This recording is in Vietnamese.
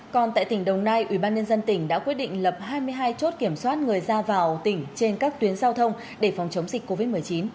còn tại tỉnh đồng nai ubnd tỉnh đã quyết định lập hai mươi hai chốt kiểm soát người ra vào tỉnh trên các tuyến giao thông để phòng chống dịch covid một mươi chín